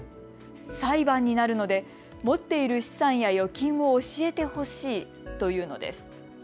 裁判になるので持っている資産や預金を教えてほしいというのです。